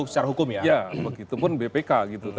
secara hukum ya ya begitu pun bpk